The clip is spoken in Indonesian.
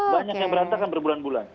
banyak yang berantakan berbulan bulan